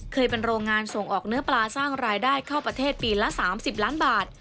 เคยเป็นโรงงานส่งออกเนื้อปลาสร้างรายได้เข้าประเทศปีละ๓๐ล้านบาท